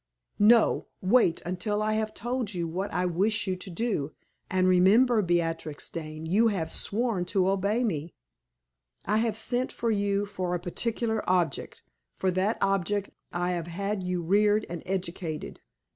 No! Wait until I have told you what I wish you to do, and remember, Beatrix Dane, you have sworn to obey me. I have sent for you for a particular object; for that object I have had you reared and educated.